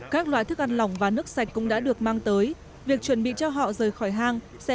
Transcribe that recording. các loại thức ăn lỏng và nước sạch cũng đã được mang tới việc chuẩn bị cho họ rời khỏi hang sẽ